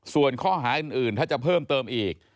ส่วนข้อหาอื่นถ้าจะเพิ่มเติมอีก